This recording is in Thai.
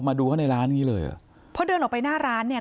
มาดูเขาในร้านอย่างงี้เลยอ่ะพอเดินออกไปหน้าร้านเนี่ย